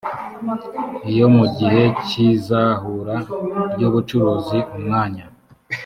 iyo mu gihe cy izahura ry ubucuruzi umwanya